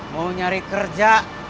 mau nyari kerja